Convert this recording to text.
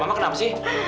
mama kenapa sih